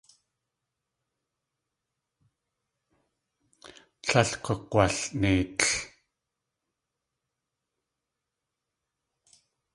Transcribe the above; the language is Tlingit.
Tlél gug̲walneitl.